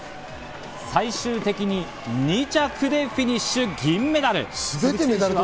最終的に２着でフィニッシュ、銀メダル。